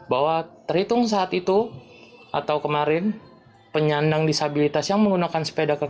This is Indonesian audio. bahwa terhitung saat itu atau kemarin penyandang disabilitas yang menggunakan sepeda kekerasan